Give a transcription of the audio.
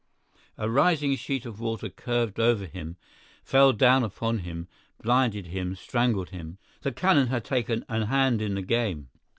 A rising sheet of water curved over him, fell down upon him, blinded him, strangled him! The cannon had taken an hand in the game.